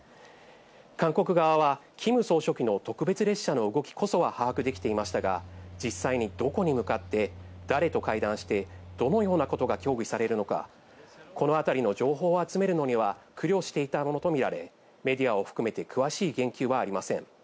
韓国側はキム総書記の特別列車の動きこそは把握できていましたが、実際にどこに向かって、誰と会談して、どのようなことが協議されるのか、このあたりの情報を集めるのには苦慮していたものと見られ、メディアを含めて詳しい言及はありません。